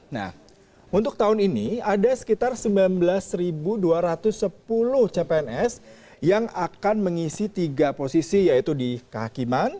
nah untuk tahun ini ada sekitar sembilan belas dua ratus sepuluh cpns yang akan mengisi tiga posisi yaitu di kehakiman